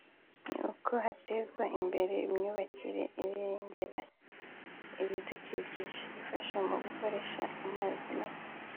ni uko hatezwa imbere imyubakire irengera ibidukikije (Green Building) ifasha mu gukoresha amazi make